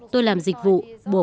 tôi làm dịch vụ tôi không có lương